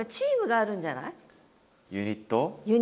ユニット。